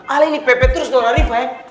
alin dipenjara terus dengan rifai